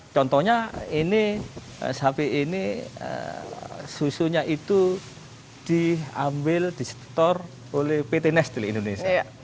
contohnya ini hp ini susunya itu diambil di store oleh pt nestle indonesia